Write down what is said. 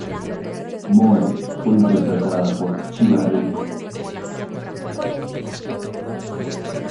Moe fue interpretada por Chiba Reiko.